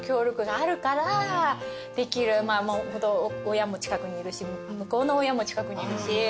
親も近くにいるし向こうの親も近くにいるし。